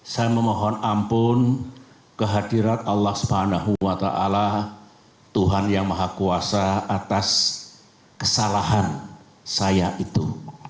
saya memohon ampun kehadirat allah swt tuhan yang maha kuasa atas kesalahan saya itu